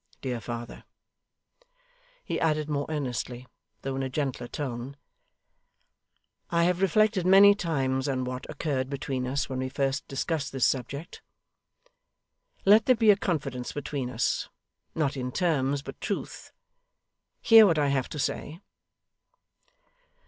Dear father,' he added, more earnestly though in a gentler tone, 'I have reflected many times on what occurred between us when we first discussed this subject. Let there be a confidence between us; not in terms, but truth. Hear what I have to say.